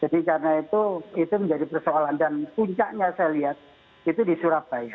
jadi karena itu itu menjadi persoalan dan puncaknya saya lihat itu di surabaya